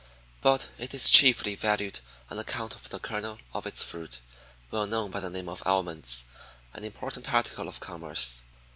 But it is chiefly valued on account of the kernel of its fruit, well known by the name of almonds, an important article of commerce.